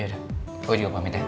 yaudah aku juga pamit deh